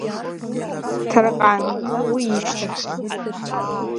Ҭарҟан, уи ишьҭахь…